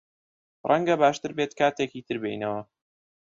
ڕەنگە باشتر بێت کاتێکی تر بێینەوە.